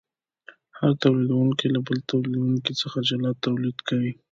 هر تولیدونکی له بل تولیدونکي څخه جلا تولید کوي